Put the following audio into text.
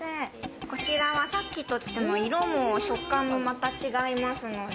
こちらはさっきと色も食感もまた違いますので。